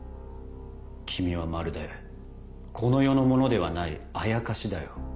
君はまるでこの世のものではない妖だよ。